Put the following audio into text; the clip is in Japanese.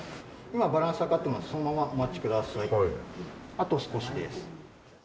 あと少しです。